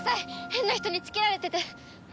変な人につけられてて。